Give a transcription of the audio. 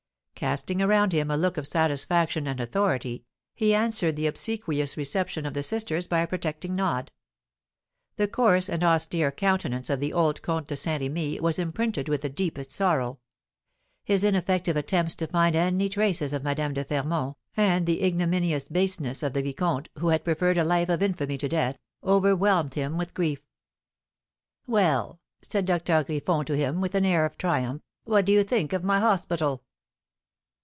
Casting around him a look of satisfaction and authority, he answered the obsequious reception of the sisters by a protecting nod. The coarse and austere countenance of the old Comte de Saint Remy was imprinted with the deepest sorrow. His ineffective attempts to find any traces of Madame de Fermont, and the ignominious baseness of the vicomte, who had preferred a life of infamy to death, overwhelmed him with grief. "Well," said Doctor Griffon to him, with an air of triumph, "what do you think of my hospital?"